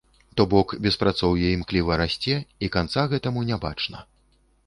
То бок, беспрацоўе імкліва расце, і канца гэтаму не бачна.